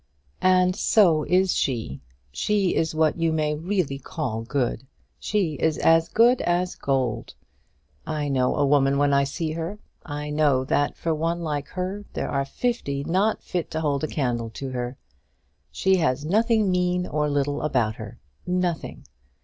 "And so is she. She is what you may really call good. She is as good as gold. I know a woman when I see her; and I know that for one like her there are fifty not fit to hold a candle to her. She has nothing mean or little about her nothing.